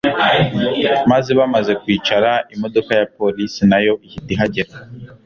maze bamaze kwicara imodoka ya police nayo ihita ihagera